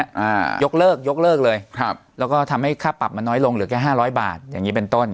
ยกเลิกเลยแล้วก็ทำให้ค่าปรับมันน้อยลงเหลือแค่๕๐๐บาทอย่างนี้เป็นต้น